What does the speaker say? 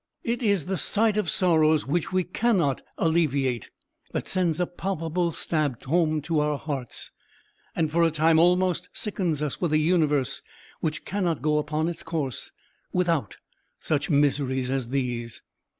It is the sight of sorrows which we cannot alleviate that sends a palpable stab home to our hearts, and for a time almost sickens us with a universe which cannot go upon its course without such miseries as these.